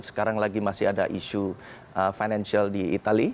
sekarang lagi masih ada isu financial di itali